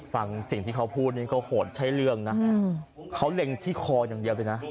ฟังสิ่งที่เขาพูดนี่ก็โหดใช่เรื่องนะเขาเล็งที่คออย่างเดียวเลยนะ